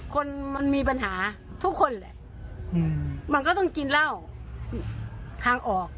คนมันมีปัญหาทุกคนแหละมันก็ต้องกินเหล้าทางออก